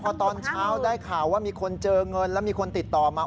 พอตอนเช้าได้ข่าวว่ามีคนเจอเงินแล้วมีคนติดต่อมา